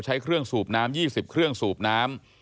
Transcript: ใช้เครื่องสูบน้ำ๒๐เครื่องสูบน้ำ